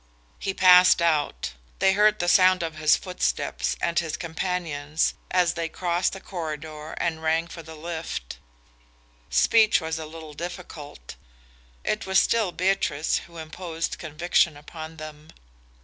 He passed out. They heard the sound of his footsteps and his companion's, as they crossed the corridor and rang for the lift. Speech was a little difficult. It was still Beatrice who imposed conviction upon them.